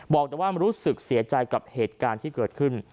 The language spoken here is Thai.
บอกว่ารู้สึกเสียใจกับเหตุการณ์ที่เกิดขึ้น